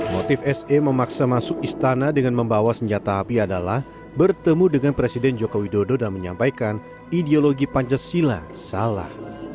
motif se memaksa masuk istana dengan membawa senjata api adalah bertemu dengan presiden joko widodo dan menyampaikan ideologi pancasila salah